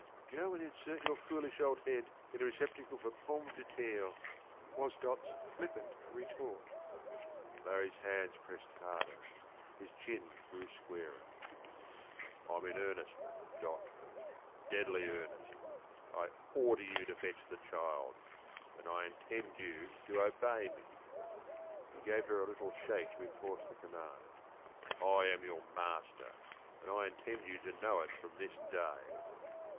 "Go and insert your foolish old head in a receptacle for pommes de terre," was Dot's flippant retort. Larrie's hands pressed harder, his chin grew squarer. "I'm in earnest, Dot, deadly earnest. I order you to fetch the child, and I intend you to obey me," he gave her a little shake to enforce the command. "I am your master, and I intend you to know it from this day."